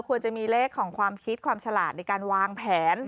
ควรจะมีเลขของความคิดความฉลาดในการวางแผน